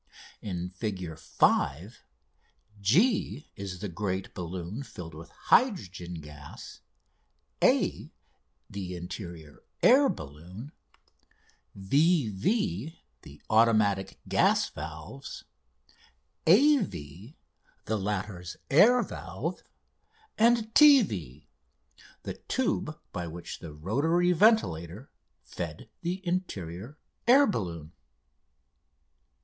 In Fig. 5, G is the great balloon filled with hydrogen gas, A the interior air balloon, VV the automatic gas valves, AV the latter's air valve, and TV the tube by which the rotary ventilator fed the interior air balloon. [Illustration: Fig.